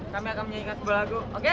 kami akan menyanyikan sebuah lagu oke